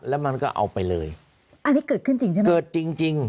แล้วมันก็เอาไปเลยอันนี้เกิดขึ้นจริงใช่ไหมเกิดจริงจริง